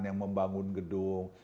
yang membangun gedung